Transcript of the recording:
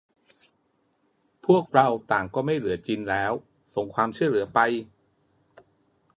พวกเราต่างก็ไม่เหลือจินแล้ว : ส่งความช่วยเหลือไป !